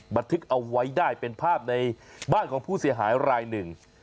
บันทึกเอาไว้ได้เป็นภาพในบ้านของผู้เสียหายรายหนึ่ง